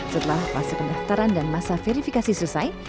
setelah fase pendaftaran dan masa verifikasi selesai